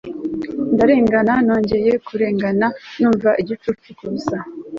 Ndarengana nongeye kurengana numva igicucu kubusa